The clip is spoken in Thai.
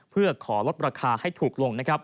เพื่อขอลดราคาให้ถูกลง